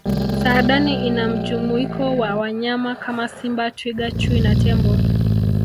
saadani ina mjumuiko wa wanyama Kama simba twiga chui na tembo